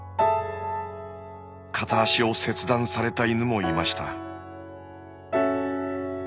片足を切断された犬もいました。